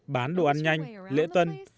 bán đồ ăn nhanh lễ tân